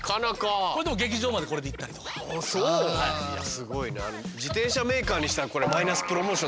すごいな。